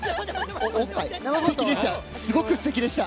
すてきでした。